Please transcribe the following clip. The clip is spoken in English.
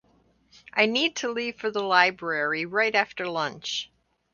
I need to leave for the library right after lunch.